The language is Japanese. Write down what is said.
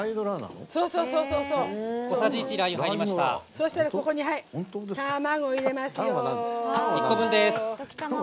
そしたら、ここに卵入れますよ。